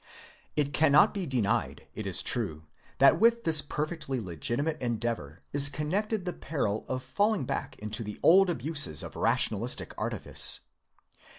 It cannot be denied, it is true, that with this perfectly legitimate endeavour is connected the peril of falling back into the old abuses of rational istic artifice.